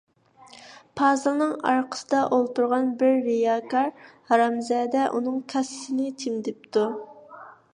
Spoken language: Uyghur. پازىلنىڭ ئارقىسىدا ئولتۇرغان بىر رىياكار ھارامزادە ئۇنىڭ كاسىسىنى چىمدىپتۇ.